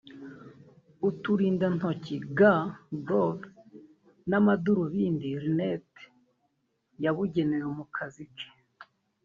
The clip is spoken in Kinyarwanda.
uturindantoki (gants/gloves) n’amadarubindi (Lunettes) yabugenewe mu kazi ke